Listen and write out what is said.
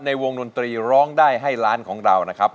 วงดนตรีร้องได้ให้ล้านของเรานะครับ